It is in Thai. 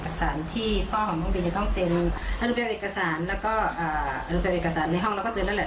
พี่พ่อของน้องบีจะต้องเซ็นอนุเวียงเอกสารแล้วก็อนุเวียงเอกสารในห้องแล้วก็เจอแล้วแหละ